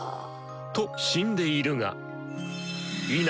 と死んでいるが否！